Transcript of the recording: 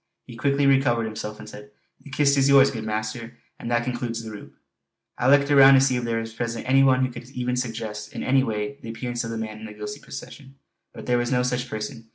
He quickly recovered himself and said: "The kist is yours, good master; and that concludes the roup!" I looked around to see if there was present any one who could even suggest in any way the appearance of the man in the ghostly procession. But there was no such person.